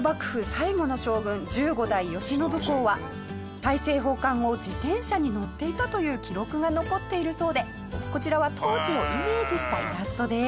最後の将軍１５代慶喜公は大政奉還後自転車に乗っていたという記録が残っているそうでこちらは当時をイメージしたイラストです。